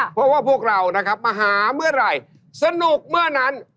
เพราะว่าพวกเรานะครับมาหาเมื่อไหร่สนุกเมื่อนั้น